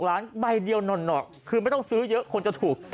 ล้านใบเดียวหน่อคือไม่ต้องซื้อเยอะคนจะถูก